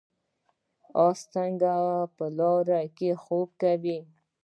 اس څنګه په ولاړه خوب کوي؟